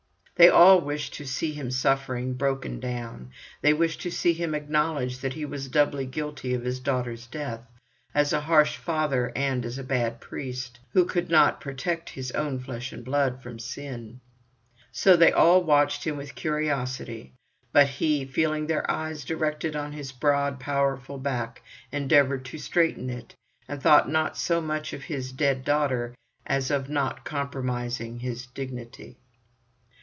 They all wished to see him suffering, broken down; they wished to see him acknowledge that he was doubly guilty of his daughter's death—as a harsh father, and as a bad priest, who could not protect his own flesh and blood from sin. So they all watched him with curiosity, but he, feeling their eyes directed on his broad powerful back, endeavoured to straighten it, and thought not so much of his dead daughter as of not compromising his dignity.